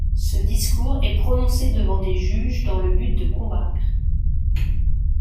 Ce discours est prononcé devant des juges dans le but de convaincre.